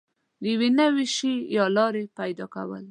د یو نوي شي یا لارې پیدا کول